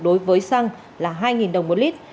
đối với xăng là hai đồng một lít